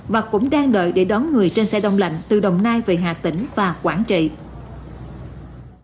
và cũng đang đợi để đón người trên xe đông lạnh từ đồng nai về hà tĩnh và quảng trị